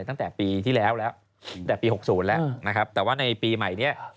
ตั้งแต่ปีที่แล้วแล้วแต่ปี๖๐แล้วนะครับแต่ว่าในปีใหม่เนี่ย